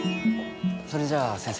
それじゃ先生。